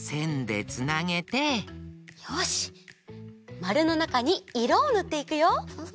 マルのなかにいろをぬっていくよ。